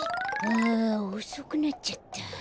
あおそくなっちゃった。